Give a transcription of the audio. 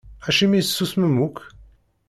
Acimi i susmen akk?